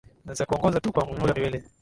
za kuongoza tu kwa mihula miwili